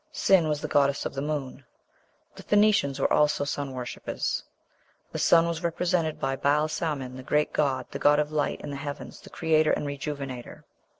Sin was the goddess of the moon. The Phoenicians were also sun worshippers. The sun was represented by Baal Samin, the great god, the god of light and the heavens, the creator and rejuvenator.